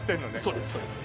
そうですそうです